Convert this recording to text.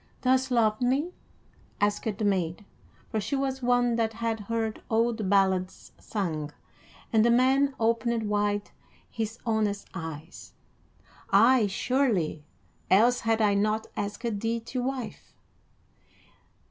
"Dost love me?" asked the maid, for she was one that had heard old ballads sung; and the man opened wide his honest eyes. "Ay, surely, else had I not asked thee to wife."